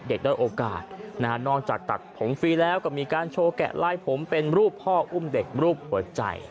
ได้โอกาสนอกจากตัดผมฟรีแล้วก็มีการโชว์แกะลายผมเป็นรูปพ่ออุ้มเด็กรูปหัวใจ